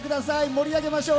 盛り上げましょう。